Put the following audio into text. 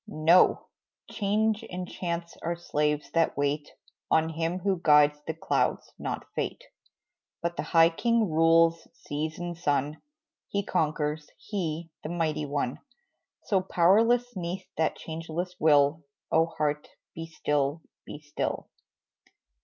No! change and chance are slaves that wait On Him who guides the clouds, not fate, But the High King rules seas and sun, He conquers, He, the Mighty One. So powerless, 'neath that changeless will, Oh, heart, be still be still!